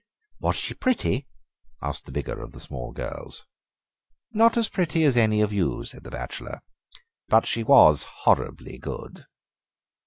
"Was she pretty?" asked the bigger of the small girls. "Not as pretty as any of you," said the bachelor, "but she was horribly good."